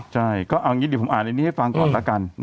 ใช่ก็เอาอย่างนี้เดี๋ยวผมอ่านอันนี้ให้ฟังก่อนแล้วกัน